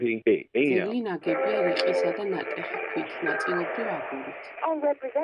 ძეგლი ნაგებია რიყისა და ნატეხი ქვით, ნაწილობრივ აგურით.